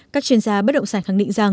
các chuyên gia bất động sản khẳng định rằng